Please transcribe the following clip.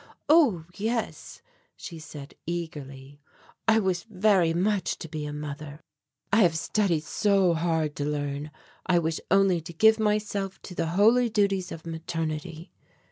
"Oh, yes," she said eagerly. "I wish very much to be a mother. I have studied so hard to learn. I wish only to give myself to the holy duties of maternity.